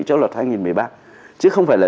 cho luật hai nghìn một mươi ba chứ không phải là